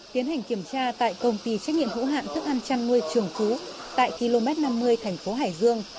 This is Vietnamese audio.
tiến hành kiểm tra tại công ty trách nhiệm hữu hạn thức ăn chăn nuôi trường phú tại km năm mươi thành phố hải dương